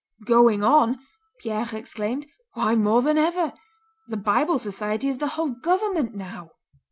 "Going on?" Pierre exclaimed. "Why more than ever! The Bible Society is the whole government now!"